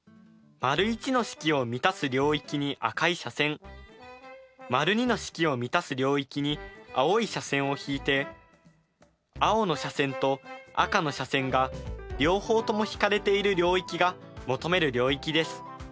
①の式を満たす領域に赤い斜線②の式を満たす領域に青い斜線を引いて青の斜線と赤の斜線が両方とも引かれている領域が求める領域です。